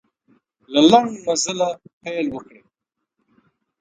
له لنډ مزله پیل وکړئ.